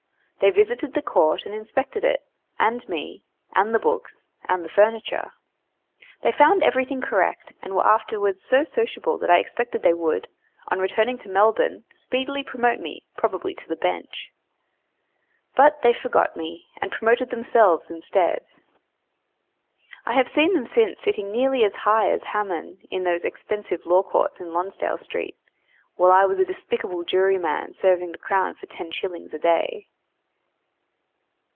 They visited the court and inspected it, and me, and the books, and the furniture. They found everything correct, and were afterwards so sociable that I expected they would, on returning to Melbourne, speedily promote me, probably to the Bench. But they forgot me, and promoted themselves instead. I have seen them since sitting nearly as high as Haman in those expensive Law courts in Lonsdale Street, while I was a despicable jury man serving the Crown for ten shillings a day.